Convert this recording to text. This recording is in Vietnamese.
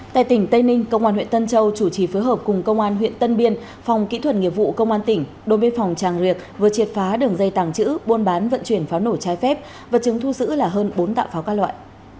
tại tỉnh tây ninh công an huyện tân châu chủ trì phối hợp cùng công an huyện tân biên phòng kỹ thuật nghiệp vụ công an tỉnh đồn biên phòng tràng riệc vừa triệt phá đường dây tàng chữ buôn bán vận chuyển pháo nổ trái phép và chứng thu giữ là hơn bốn tạ pháo các loại